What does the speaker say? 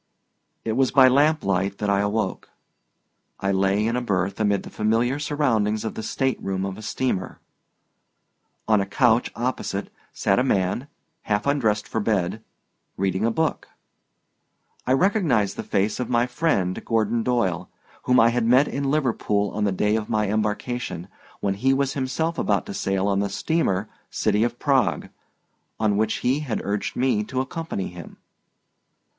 It was by lamplight that I awoke. I lay in a berth amid the familiar surroundings of the stateroom of a steamer. On a couch opposite sat a man, half undressed for bed, reading a book. I recognized the face of my friend Gordon Doyle, whom I had met in Liverpool on the day of my embarkation, when he was himself about to sail on the steamer City of Prague, on which he had urged me to accompany him.